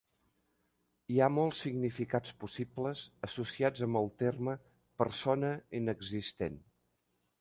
Hi ha molts significats possibles associats amb el terme "persona inexistent".